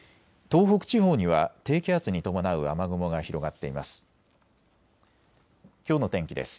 東北地方には低気圧に伴う雨雲が広がっています。